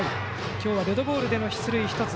今日はデッドボールでの出塁１つ。